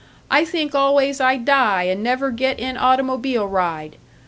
I think always I die and never get in automobile ride!'